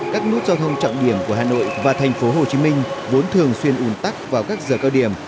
các nút giao thông trọng điểm của hà nội và thành phố hồ chí minh vốn thường xuyên ủn tắc vào các giờ cao điểm